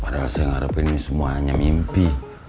padahal saya ngarepin ini semuanya mimpi